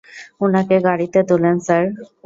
উনাকে গাড়িতে তুলেন, স্যার।